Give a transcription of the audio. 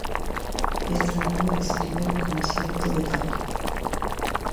Estrabón la describe con cierto detalle.